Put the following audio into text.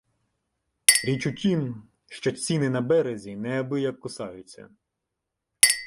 Річ у тім, що ціни на березі неабияк кусаються